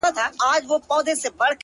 • ساقي نن مي خړوب که شپه تر پایه مستومه,